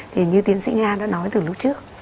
thì như tiến sĩ nga đã nói từ lúc trước